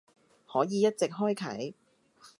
可以一直開啟